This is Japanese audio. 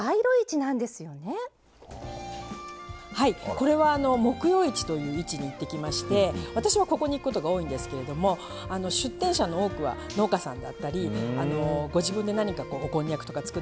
これは木曜市という市に行ってきまして私はここに行くことが多いんですけれども出店者の多くは農家さんだったりご自分で何かこうおこんにゃくとか作っ